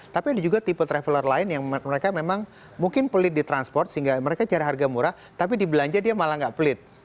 tapi ada juga tipe traveler lain yang mereka memang mungkin pelit di transport sehingga mereka cari harga murah tapi di belanja dia malah nggak pelit